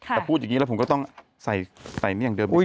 แต่พูดอย่างนี้แล้วผมก็ต้องใส่เงี่ยงเดิม